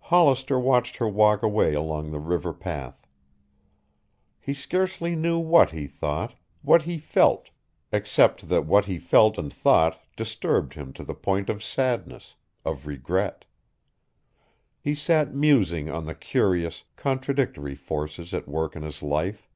Hollister watched her walk away along the river path. He scarcely knew what he thought, what he felt, except that what he felt and thought disturbed him to the point of sadness, of regret. He sat musing on the curious, contradictory forces at work in his life.